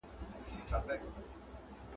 د نوي راټوکېدلو بوټو بوی په هوا کې و.